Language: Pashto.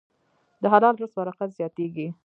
د حلال رزق برکت زیاتېږي.